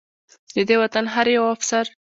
د دې وطن هر يو افسر